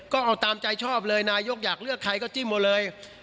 ก็เอาตามใจชอบเลยนายกอยากเลือกใครก็จิ้มเอาเลย